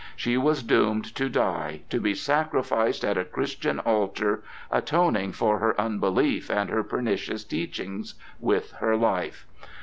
She was doomed to die, to be sacrificed at a Christian altar, atoning for her unbelief and her pernicious teachings with her life.